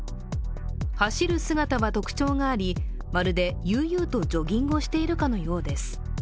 走る姿は特徴がありまるで悠々とジョギングをしているかのようです。